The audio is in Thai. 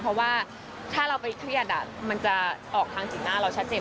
เพราะว่าถ้าเราไปเครียดมันจะออกทางสีหน้าเราชัดเจน